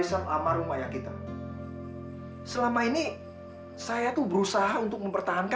sampai jumpa di video selanjutnya